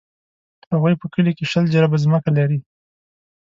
هغوی په کلي کښې شل جریبه ځمکه لري.